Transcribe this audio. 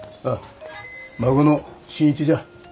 あっ孫の慎一じゃ。